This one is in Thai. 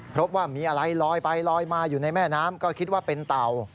พบว่ามีอะไรลอยไปลอยมาอยู่ในแม่น้ำก็คิดว่าเป็นเต่า